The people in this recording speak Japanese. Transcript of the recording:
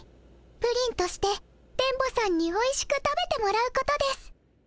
プリンとして電ボさんにおいしく食べてもらうことです。